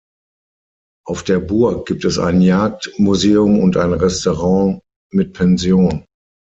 Auf der Burg gibt es ein Jagd-Museum und ein Restaurant mit Pension.